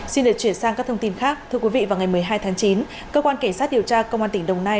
xin được chuyển sang các thông tin khác thưa quý vị vào ngày một mươi hai tháng chín cơ quan cảnh sát điều tra công an tỉnh đồng nai